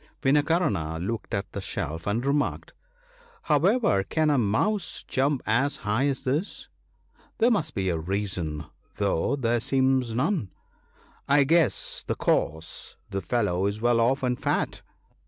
Vinakarna looked at the shelf and remarked, " However can a mouse jump as high as this ? There must be a reason, though there seems none. I guess the cause, — the fellow is well off and fat."